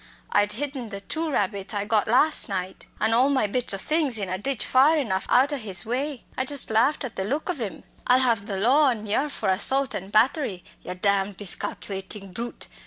I'd hidden the two rabbits I got las' night, and all my bits o' things in a ditch far enough out o' his way. I just laughed at the look ov 'im. 'I'll have the law on yer for assault an' battery, yer damned miscalculatin' brute!'